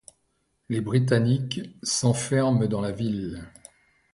Les Britanniques s'enferment dans la ville.